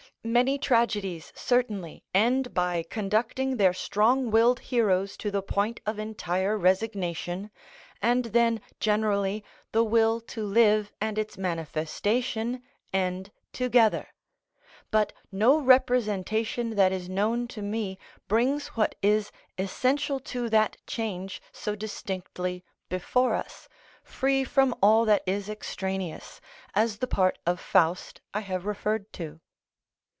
Many tragedies certainly end by conducting their strong willed heroes to the point of entire resignation, and then generally the will to live and its manifestation end together, but no representation that is known to me brings what is essential to that change so distinctly before us, free from all that is extraneous, as the part of "Faust" I have referred to.